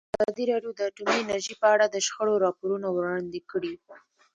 ازادي راډیو د اټومي انرژي په اړه د شخړو راپورونه وړاندې کړي.